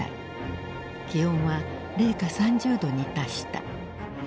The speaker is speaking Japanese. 気温は零下３０度に達した。